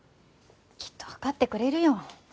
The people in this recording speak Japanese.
きっとわかってくれるよ。